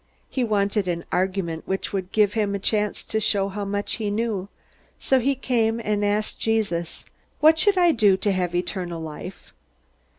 He wanted an argument which would give him a chance to show how much he knew, so he came and asked Jesus, "What should I do to have eternal life?"